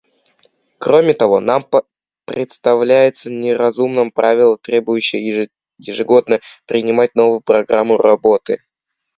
Кроме того, нам представляется неразумным правило, требующее ежегодно принимать новую программу работы.